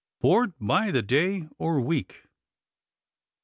BOARD BY THE DAY OR WEEK.